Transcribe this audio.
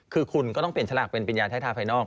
คือคุณก็ต้องเปลี่ยนฉลากเป็นปัญญาใช้ทาภายนอก